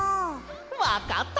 わかった！